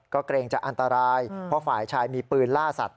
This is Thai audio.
ก็เกรงจะอันตรายเพราะฝ่ายชายมีปืนล่าสัตว